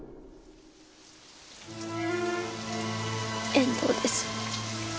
遠藤です。